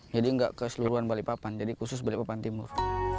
jadi nggak keseluruhan balikpapan khusus balikpapan timur